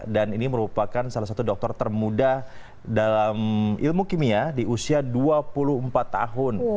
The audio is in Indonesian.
dan ini merupakan salah satu doktor termuda dalam ilmu kimia di usia dua puluh empat tahun